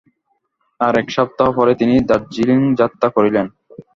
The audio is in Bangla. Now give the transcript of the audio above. আর এক সপ্তাহ পরেই তিনি দার্জিলিঙ যাত্রা করিলেন।